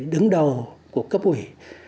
đứng đầu của cấp ủy